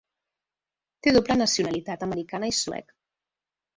Té doble nacionalitat americana i sueca.